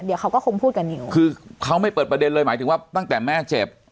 เดี๋ยวเขาก็คงพูดกับนิวคือเขาไม่เปิดประเด็นเลยหมายถึงว่าตั้งแต่แม่เจ็บ